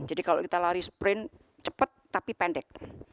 jadi kalau kita lari sprint cepat tapi pendek